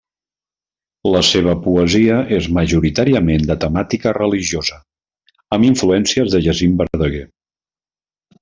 La seva poesia és majoritàriament de temàtica religiosa, amb influències de Jacint Verdaguer.